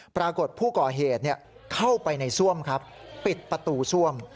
ปรากฏผู้ก่อเหตุเข้าไปในซ่วมครับปิดประตูซ่วม